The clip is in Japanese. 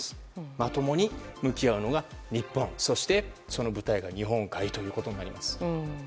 まともに向き合うのが日本そして、その舞台が日本海ということになります。